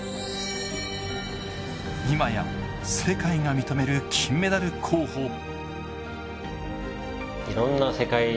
今や世界が認める金メダル候補。